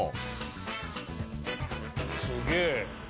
すげえ。